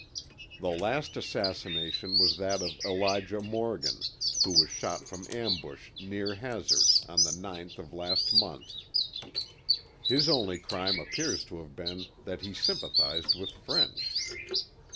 The last assassination was that of Elijah Morgan, who was shot from ambush, near Hazard, on the 9th of last month. His only crime appears to have been that he sympathized with French.